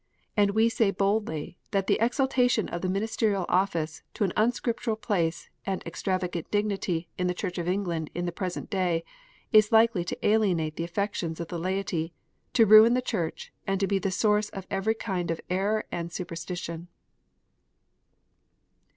And we say boldly that the exaltation of the ministerial office to an unscriptural place and extravagant dignity in the Church of England in the present day, is likely to alienate the affections of the laity, to ruin the Church, and to be the source of every kind of error and superstition.